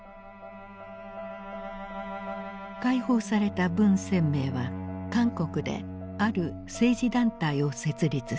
解放された文鮮明は韓国である政治団体を設立する。